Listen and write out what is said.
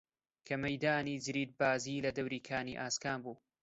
کە مەیدانی جریدبازی لە دەوری کانی ئاسکان بوو